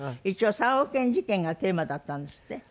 一応三億円事件がテーマだったんですって？